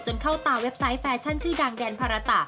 เข้าตาเว็บไซต์แฟชั่นชื่อดังแดนภาระตะ